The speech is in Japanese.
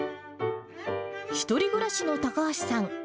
１人暮らしの高橋さん。